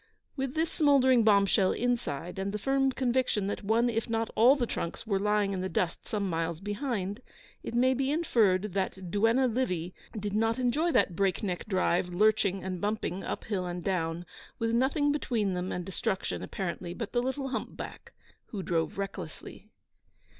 With this smouldering bomb shell inside, and the firm conviction that one if not all the trunks were lying in the dust some miles behind, it may be inferred that duenna Livy did not enjoy that break neck drive, lurching and bumping up hill and down, with nothing between them and destruction apparently but the little humpback, who drove recklessly.